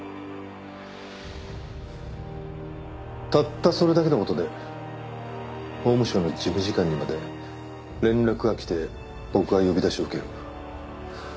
たったそれだけの事で法務省の事務次官にまで連絡が来て僕が呼び出しを受ける。